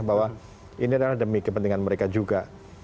bahwa ini adalah demi kepentingan mereka juga